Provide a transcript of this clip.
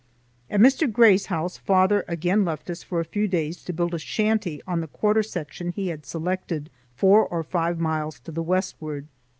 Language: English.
At Mr. Gray's house, father again left us for a few days to build a shanty on the quarter section he had selected four or five miles to the westward.